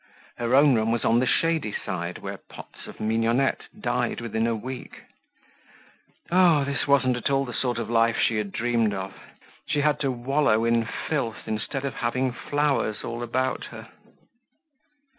Her own room was on the shady side where pots of mignonette died within a week. Oh, this wasn't at all the sort of life she had dreamed of. She had to wallow in filth instead of having flowers all about her.